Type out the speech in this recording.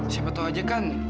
siapa tau aja kan